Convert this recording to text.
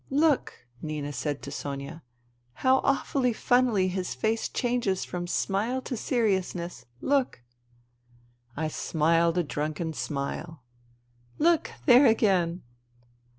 " Look," Nina said to Sonia, " how awfully funnily his face changes from smile to seriousness. Look !'* I smiled a drunken smile. " Look : there again